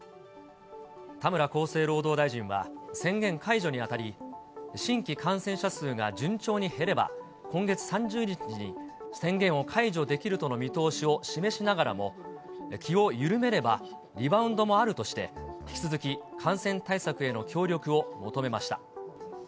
田村厚生労働大臣は、宣言解除にあたり、新規感染者数が順調に減れば、今月３０日に宣言を解除できるとの見通しを示しながらも、気を緩めればリバウンドもあるとして、引き続き感染対策への協力を求めました。